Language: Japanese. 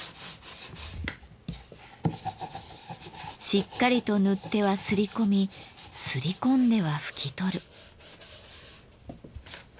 しっかりと塗ってはすり込みすり込んでは拭き取る。